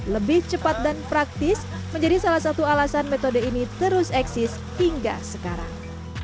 lebih cepat dan praktis menjadi salah satu alasan metode ini terus eksis hingga sekarang